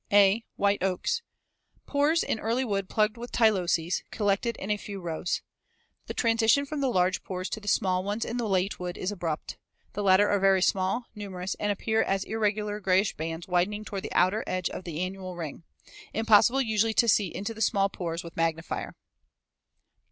(a) White oaks. Pores in early wood plugged with tyloses, collected in a few rows. Fig. 146. The transition from the large pores to the small ones in the late wood is abrupt. The latter are very small, numerous, and appear as irregular grayish bands widening toward the outer edge of the annual ring. Impossible usually to see into the small pores with magnifier.